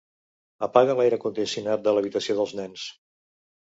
Apaga l'aire condicionat de l'habitació dels nens.